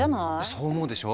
そう思うでしょ？